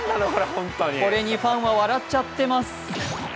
これにファンは笑っちゃっています。